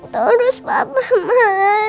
terus papa marah